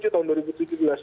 tahun dua ribu tujuh belas